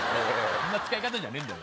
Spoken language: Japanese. そんな使い方じゃねえんだよ